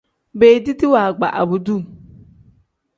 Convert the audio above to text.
Beediti waagba abduu.